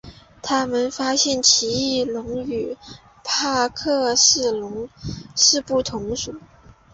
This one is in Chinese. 他们发现奇异龙与帕克氏龙是不同的属。